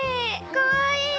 かわいい！